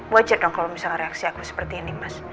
wajar dong kalau misalnya reaksi aku seperti ini mas